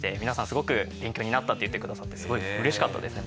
すごく勉強になったって言ってくださってすごい嬉しかったですね